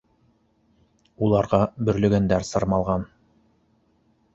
Уларға бөрлөгәндәр сырмалған